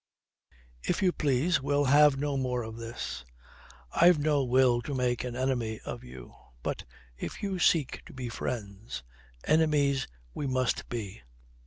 "If you please, we'll have no more of this. I've no will to make an enemy of you. But if you seek to be friends, enemies we must be."